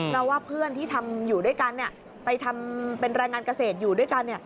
เพราะว่าเพื่อนที่ทำอยู่ด้วยกันไปทำเป็นแรงงานเกษตรอยู่ด้วยกัน